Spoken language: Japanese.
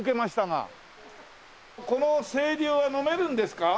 この清流は飲めるんですか？